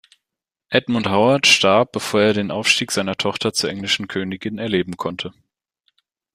Edmund Howard starb, bevor er den Aufstieg seiner Tochter zur englischen Königin erleben konnte.